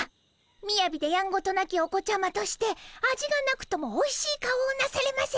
みやびでやんごとなきお子ちゃまとして味がなくともおいしい顔をなされませ！